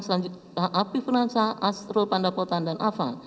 selanjutnya api pernansa asru pandapotan dan afa